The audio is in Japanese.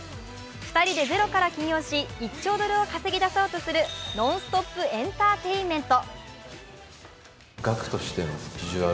２人でゼロから起業し、１兆ドルを稼ぎ出そうとするノンストップ・エンターテインメント。